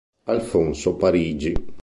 Alfonso Parigi